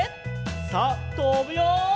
さあとぶよ！